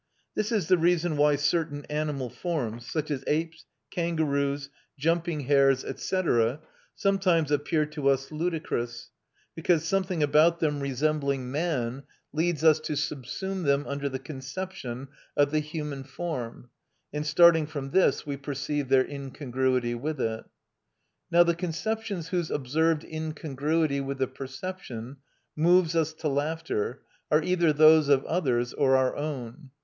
This is the reason why certain animal forms, such as apes, kangaroos, jumping hares, &c., sometimes appear to us ludicrous because something about them resembling man leads us to subsume them under the conception of the human form, and starting from this we perceive their incongruity with it. Now the conceptions whose observed incongruity with the perceptions moves us to laughter are either those of others or our own.